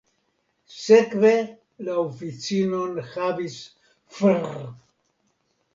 Sekve la oficinon havis Fr.